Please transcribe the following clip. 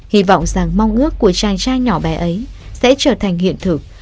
hy vọng rằng mong ước của chàng trai nhỏ bé ấy sẽ trở thành hiện thực